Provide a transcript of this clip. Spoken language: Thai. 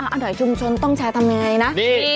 อร่อยชุมชนต้องแชร์ทำยังไงนะ